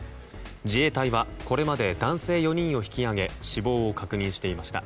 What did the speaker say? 自衛隊は、これまで男性４人を引き揚げ死亡を確認していました。